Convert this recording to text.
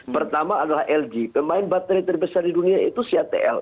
pertama adalah lg pemain baterai terbesar di dunia itu ctl